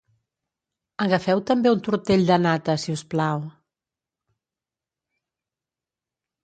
Agafeu també un tortell de nata, si us plau.